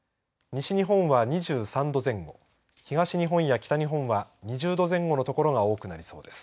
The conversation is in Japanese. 西日本は２３度前後東日本や北日本は２０度前後の所が多くなりそうです。